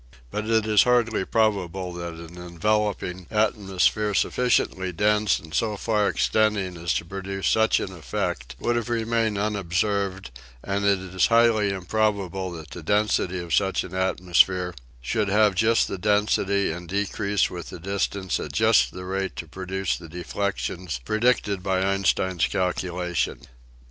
But it is hardly probable that an enveloping at 72 EASY LESSONS IN EINSTEIN mosphere sufficiently dense and so far extending as to produce such an effect would have remained unob served and it is highly improbable that the density of such an atmosphere should have just the density and decrease with the distance at just the rate to produce the deflection predicted by Einstein's calculation.